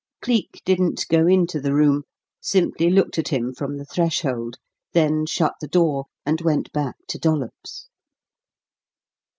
Cleek didn't go into the room, simply looked at him from the threshold, then shut the door, and went back to Dollops.